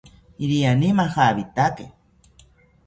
Iriani majawitaki